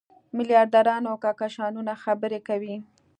میلیاردونو کهکشانونو خبرې کوي.